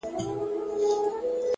مثبت ذهن پر رڼا تمرکز کوي!